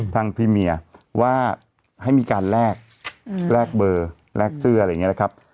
ทางพี่เมียว่าให้มีการแลกแลกเบอร์แลกเสื้ออะไรอย่างนี้นะครับ